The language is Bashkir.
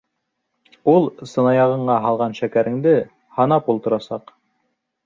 Ул сынаяғыңа һалған шәкәреңде һанап ултырасаҡ!